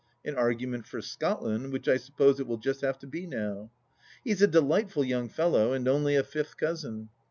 An argument for Scotland, which I suppose it will just have to be now. He is a delightful young fellow, and only a fifth cousin.